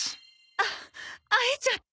あ会えちゃった！